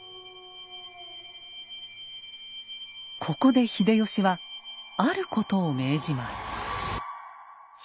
ここで秀吉はあることを命じます。